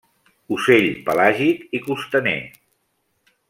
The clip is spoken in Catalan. Ocell pelàgic i costaner.